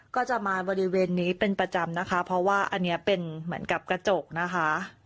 ก็จะมาบริเวณนี้เป็นประจำนะคะเพราะว่าอันนี้เป็นเหมือนกับกระจกนะคะ